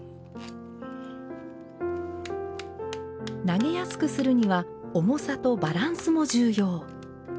投げやすくするには重さとバランスも重要。